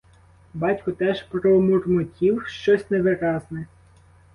Батько теж промурмотів щось невиразне.